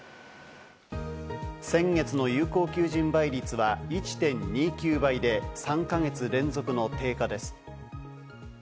先月の有効求人倍率は１．２９倍で、３か月連続の低下です。